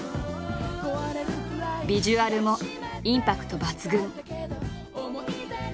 ビジュアルもインパクト抜群。